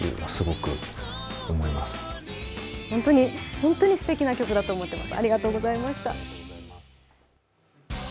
本当にすてきな曲だと思っています。